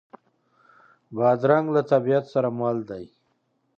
بادرنګ له طبیعت سره مل دی.